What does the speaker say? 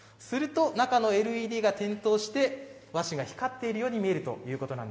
すると中のＬＥＤが点灯して和紙が光っているように見えるということなんです。